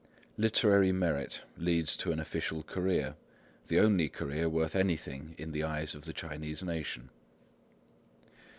Literary merit leads to an official career, the only career worth anything in the eyes of the Chinese nation.